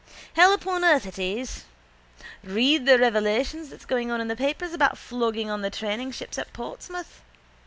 Hell upon earth it is. Read the revelations that's going on in the papers about flogging on the training ships at Portsmouth.